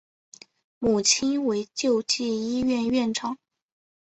母亲为救济医院院长。